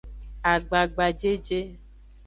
Agbagajeje.